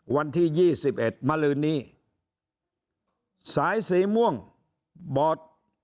วันที่๒๑มรนี้สายสีม่วงบอร์ด